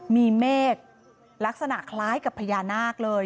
มีเมฆลักษณะคล้ายกับพญานาคเลย